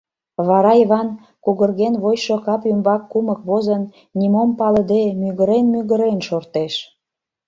Вара Йыван, кугырген вочшо кап ӱмбак кумык возын, нимом палыде, мӱгырен-мӱгырен шортеш.